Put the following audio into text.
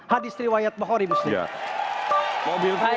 hadis riwayat bahori muslih